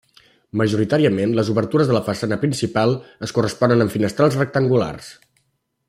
Majoritàriament, les obertures de la façana principal es corresponen amb finestrals rectangulars.